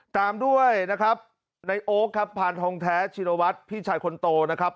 ตามด้วยนะครับในโอ๊คครับพานทองแท้ชินวัฒน์พี่ชายคนโตนะครับ